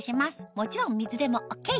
もちろん水でもＯＫ